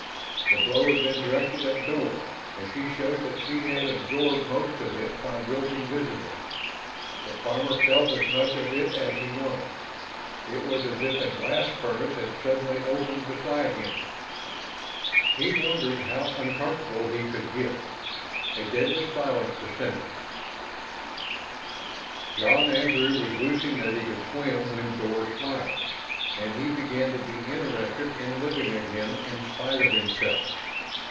The blow had been directed at Dor, and she showed that she had absorbed most of it by wilting visibly but Farmer felt as much of it as he wanted. It was as if a blast furnace had suddenly opened beside him; sweat popped out on his brow and filmed his eyes. He wondered how uncomfortable he could get. A deadly silence descended. John Andrew was wishing that he could swim when Dor smiled, and he began to be interested in living again in spite of himself.